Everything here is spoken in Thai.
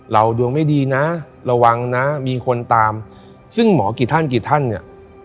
ดวงไม่ดีนะระวังนะมีคนตามซึ่งหมอกี่ท่านกี่ท่านเนี่ย